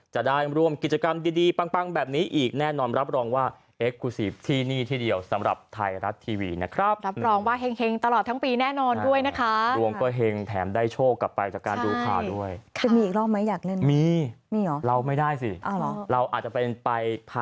จะได้ร่วมกิจกรรมดีดีปั้งปั้งแบบนี้อีกแน่นอนรับรองว่า